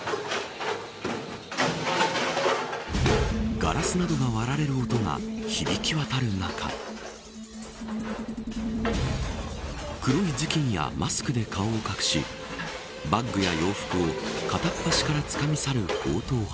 ガラスなどが割られる音が響き渡る中黒い頭巾やマスクで顔を隠しバッグや洋服を、片っ端からつかみ去る強盗犯。